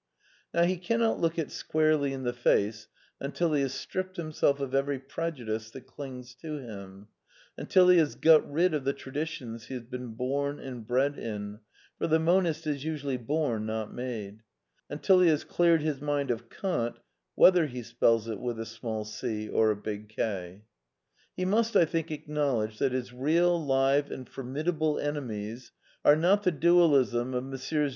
Now he cannot look it squarely in the face until he has stripped himself of every prejudice that clings to him, until he has got rid of the traditions he has been bom and bred in (for the monist is usually bom, not made) ; until he has cleared his mind of Kant whether he spells it with a small c or a big K. He must, I think, acknowledge that his real, live, and formidable enemies are, not the Dualism of ^^ Messrs.